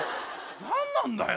何なんだよ